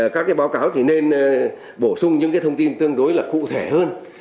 các báo cáo thì nên bổ sung những cái thông tin tương đối là cụ thể hơn